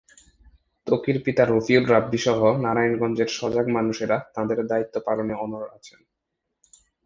ত্বকীর পিতা রফিউর রাব্বিসহ নারায়ণগঞ্জের সজাগ মানুষেরা তাঁদের দায়িত্ব পালনে অনড় আছেন।